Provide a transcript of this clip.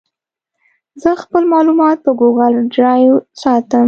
زه خپل معلومات په ګوګل ډرایو ساتم.